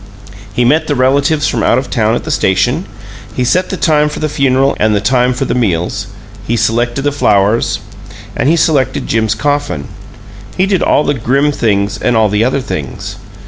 He met the relatives from out of town at the station; he set the time for the funeral and the time for meals; he selected the flowers and he selected Jim's coffin; he did all the grim things and all the other things.